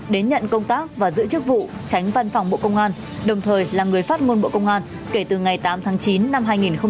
đến nhận công tác và giữ chức vụ tránh văn phòng bộ công an đồng thời là người phát ngôn bộ công an kể từ ngày tám tháng chín năm hai nghìn hai mươi ba